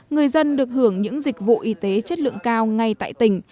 người dân được hưởng những dịch vụ y tế chất lượng cao ngay tại tỉnh